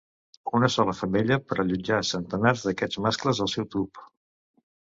Una sola femella pot allotjar centenars d'aquests mascles al seu tub.